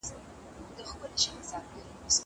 زه به ږغ اورېدلی وي!